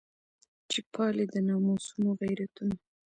چې پالي د ناموسونو غیرتونه.